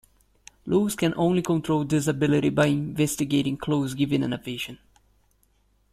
Louis can only control this ability by investigating clues given in a vision.